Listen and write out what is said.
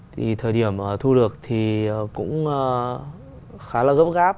thì thời điểm thu được thì cũng khá là rỗng rác